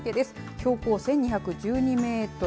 標高１２１２メートル。